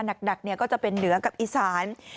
หนักก็จะเป็นเหนือกับอีสาน